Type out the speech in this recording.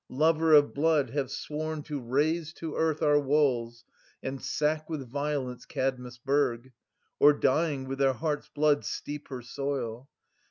7 Lover of blood, have sworn to raze to earth Our walls, and sack with violence Kadmus' burg. Or, dying, with their hearts' blood steep her soil.